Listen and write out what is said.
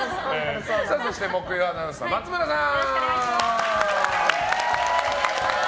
そして木曜アナウンサー松村さん。